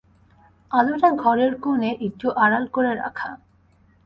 আলোটা ঘরের কোণে একটু আড়াল করে রাখা।